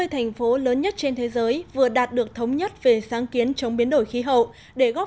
ba mươi thành phố lớn nhất trên thế giới vừa đạt được thống nhất về sáng kiến chống biến đổi khí hậu để góp